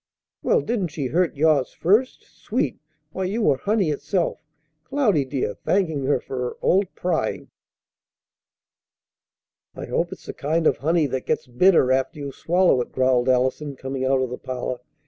"Well, didn't she hurt yours first? Sweet! Why, you were honey itself, Cloudy, dear, thanking her for her old prying!" "I hope it's the kind of honey that gets bitter after you swallow it!" growled Allison, coming out of the parlor.